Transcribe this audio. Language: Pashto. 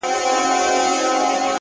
لا به په تا پسي ژړېږمه زه؛